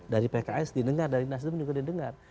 dari pks didengar dari nasdem juga didengar